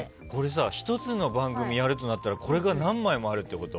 １つの番組をやるとなったらこれが何枚もあるってこと？